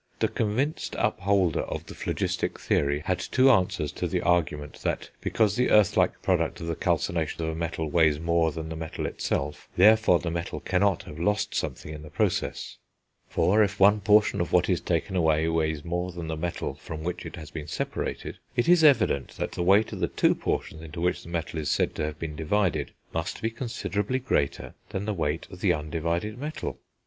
The convinced upholder of the phlogistic theory had two answers to the argument, that, because the earth like product of the calcination of a metal weighs more than the metal itself, therefore the metal cannot have lost something in the process; for, if one portion of what is taken away weighs more than the metal from which it has been separated, it is evident that the weight of the two portions into which the metal is said to have been divided must be considerably greater than the weight of the undivided metal.